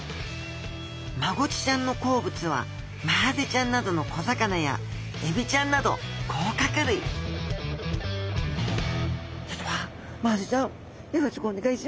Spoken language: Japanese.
マゴチちゃんの好物はマハゼちゃんなどの小魚やエビちゃんなど甲殻類それではマハゼちゃんよろしくお願いします。